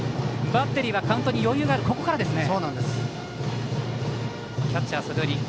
バッテリーはカウントに余裕があるここからですね。